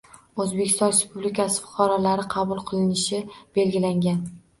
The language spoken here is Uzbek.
O‘zbekiston Respublikasi fuqarolari qabul qilinishi belgilangan.